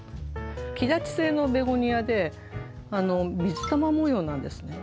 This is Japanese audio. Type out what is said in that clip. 木立性のベゴニアで水玉模様なんですね。